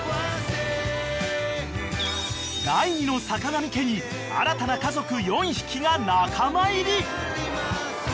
［第２の坂上家に新たな家族４匹が仲間入り］